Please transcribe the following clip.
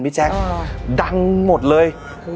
แจ๊คดังหมดเลย